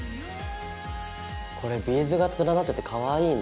これビーズが連なっててかわいいね。